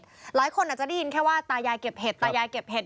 หลายคนอาจจะได้ยินแค่ว่าตายายเก็บเห็ดตายายเก็บเห็ด